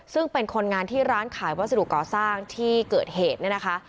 ซึ่งเป็นคนงานที่ร้านขายวัสดุก่อสร้างที่เกิดเหตุเนี่ยนะคะ